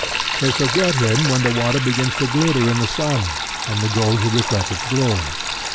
They forget him when the water begins to glitter in the sun, and the gold to reflect its glory.